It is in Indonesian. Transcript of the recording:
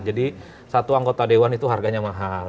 jadi satu anggota dewan itu harganya mahal